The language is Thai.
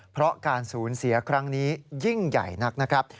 เพราะการสูญเสียครั้งนี้ยิ่งใหญ่นักนะครับ